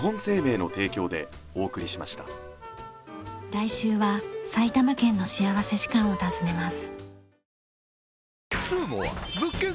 来週は埼玉県の幸福時間を訪ねます。